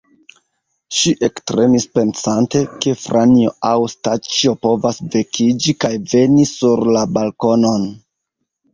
Ŝi ektremis pensante, ke Franjo aŭ Staĉjo povas vekiĝi kaj veni sur la balkonon.